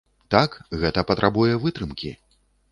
Так, гэта патрабуе вытрымкі.